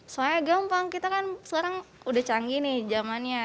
soalnya gampang kita kan sekarang udah canggih nih zamannya